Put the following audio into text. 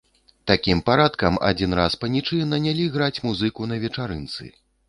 Такім парадкам адзін раз панічы нанялі граць музыку на вечарынцы.